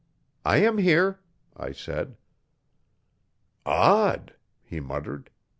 'I am here,' I said. 'Odd!' he muttered.